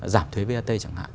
giảm thuế vat chẳng hạn